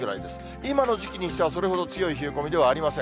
今の時期にしては、それほど強い冷え込みではありません。